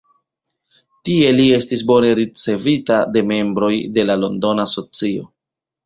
Tie li estis bone ricevita de membroj de la Londona socio.